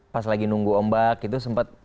pas lagi nunggu ombak itu sempat